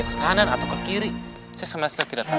aku kaget ini karena hari ini aku tidak menunjukkan apa kita tahu